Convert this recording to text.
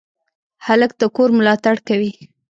هلک د کور ملاتړ کوي.